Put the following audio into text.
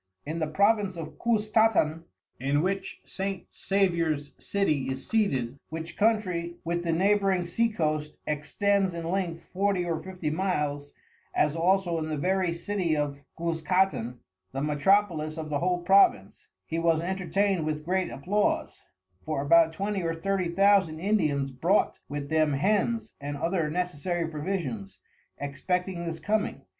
In the Province of Cuztatan in which S. Saviour's City is seated, which Country with the Neighbouing Sea Coasts extends in Length Forty or Fifty Miles, as also in the very City of Cuzcatan, the Metropolis of the whole Province, he was entertain'd with great Applause: For about Twenty or Thirty Thousand Indians brought with them Hens and other necessary Provisions, expecting this coming.